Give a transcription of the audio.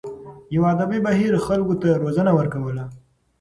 یوه ادبي بهیر خلکو ته روزنه ورکوله.